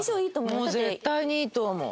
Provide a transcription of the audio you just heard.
もう絶対にいいと思う。